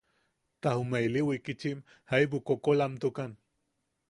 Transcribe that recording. Ta jume ili wikitchim jaibu koʼokolamtukan.